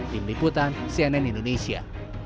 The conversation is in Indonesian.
tim liputan cnn indonesia